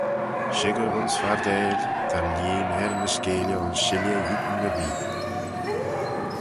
Shickyr ayns fardail ta'n lieen er ny skeayley ayns shilley eean erbee.